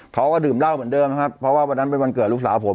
เขาก็ดื่มเหล้าเหมือนเดิมนะครับเพราะว่าวันนั้นเป็นวันเกิดลูกสาวผม